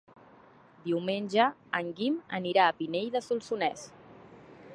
Diumenge en Guim anirà a Pinell de Solsonès.